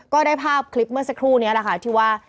ก็ได้ภาพคลิปเมื่อสักครู่นี้แหละค่ะที่ว่า